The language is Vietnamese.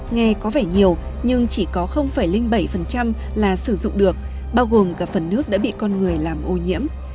nghe có vẻ nhiều nhưng chỉ có bảy là sử dụng được bao gồm cả phần nước đã bị con người làm ô nhiễm